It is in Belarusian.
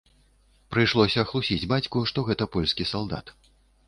Прыйшлося хлусіць бацьку, што гэта польскі салдат.